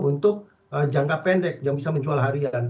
untuk jangka pendek yang bisa menjual harian